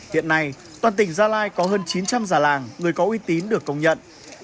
hiện nay toàn tỉnh gia lai có hơn chín trăm linh già làng người có uy tín được công nhận